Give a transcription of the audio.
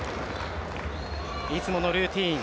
いつものルーティン。